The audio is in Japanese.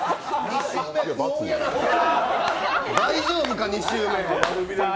大丈夫か、２周目。